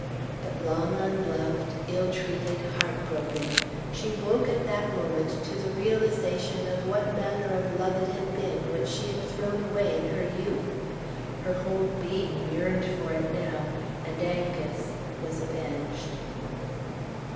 But, long unloved, ill treated, heartbroken, she woke at that moment to the realization of what manner of love it had been which she had thrown away in her youth; her whole being yearned for it now, and Angus was avenged.